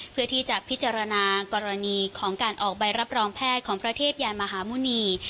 เพื่อที่จะพิจารณากรณีของการออกใบรับรองแพทย์ของพระเทพยานมหาหมุณี